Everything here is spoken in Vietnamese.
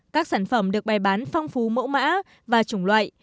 các sản phẩm được bày bán phong phú mẫu mã và chủng loại